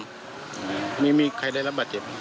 อันนี้มีใครได้รับบัตรเจ็บ